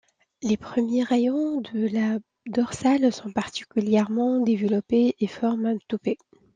Les premiers rayons de la dorsale sont particulièrement développés et forment un toupet.